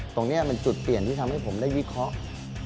ตรงนี้เป็นจุดเปลี่ยนที่ทำให้ผมได้วิเคราะห์